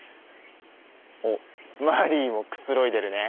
おっマリーもくつろいでるね。